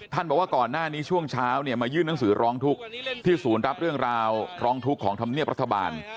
บอกว่าก่อนหน้านี้ช่วงเช้าเนี่ยมายื่นหนังสือร้องทุกข์ที่ศูนย์รับเรื่องราวร้องทุกข์ของธรรมเนียบรัฐบาล